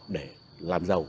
để làm giàu